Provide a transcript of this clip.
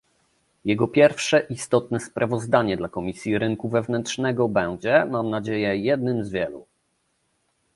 Jego pierwsze istotne sprawozdanie dla Komisji Rynku Wewnętrznego będzie, mam nadzieje, jednym z wielu